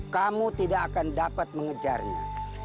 kamu tidak akan dapat mengejarnya